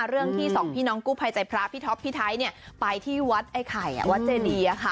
เรื่องที่สองพี่น้องกู้ภัยใจพระพี่ท็อปพี่ไทยไปที่วัดไอ้ไข่วัดเจดี